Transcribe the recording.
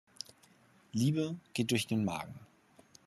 Liebe geht durch den Magen.